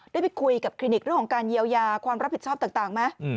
ได้ไปคุยกับคลินิกเรื่องของการเยียวยาความรับผิดชอบต่างไหม